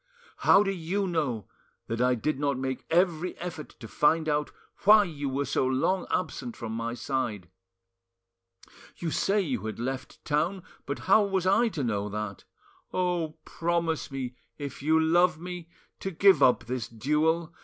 How do you know that I did not make every effort to find out why you were so long absent from my side? You say you had left town but how was I to know that? Oh! promise me, if you love me, to give up this duel!